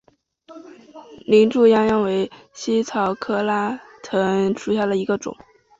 林猪殃殃为茜草科拉拉藤属下的一个种。